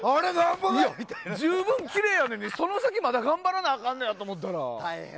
十分きれいやのにその先、頑張らなあかんのやと思ったら。